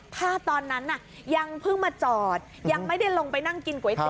ถ้าตอนนั้นน่ะยังเพิ่งมาจอดยังไม่ได้ลงไปนั่งกินก๋วยเตี๋